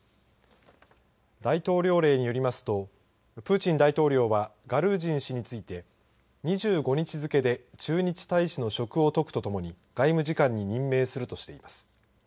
大統領令によりますとプーチン大統領はガルージン氏について２５日付けで駐日大使の職を解くとともに外務次官に任命するとしています。